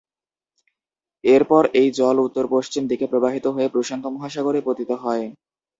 এরপর এই জল উত্তর-পশ্চিম দিকে প্রবাহিত হয়ে প্রশান্ত মহাসাগরে পতিত হয়।